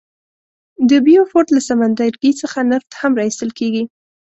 د بیوفورت له سمندرګي څخه نفت هم را ایستل کیږي.